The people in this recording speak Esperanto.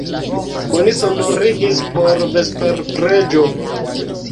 Oni sonorigis por vesperpreĝo.